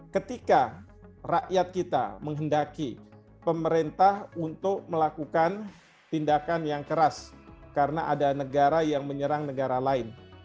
ketika rakyat kita menghendaki pemerintah untuk melakukan tindakan yang keras karena ada negara yang menyerang negara lain